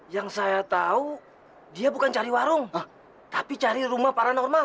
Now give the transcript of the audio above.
yang saya tahu dia bukan cari warung tapi cari rumah paranormal